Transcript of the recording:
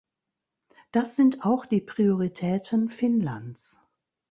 Das sind auch die Prioritäten Finnlands.